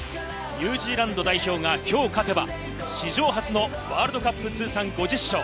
ニュージーランド代表がきょう勝てば、史上初のワールドカップ通算５０勝。